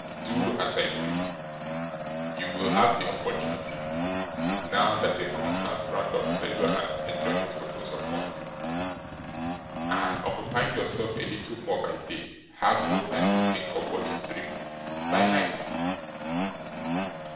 Do as I do (you will have the opportunity, now that a constant round of pleasure and enjoyment opens upon you), and, occupying yourself a little more by day, have no time to think of what you dream by night.